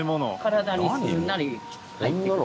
体にすんなり入っていく。